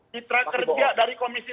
citra kerja dari komisi sebelas